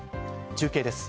中継です。